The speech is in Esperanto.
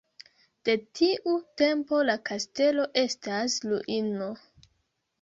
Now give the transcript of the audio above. De tiu tempo la kastelo estas ruino.